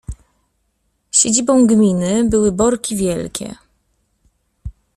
Siedzibą gminy były Borki Wielkie.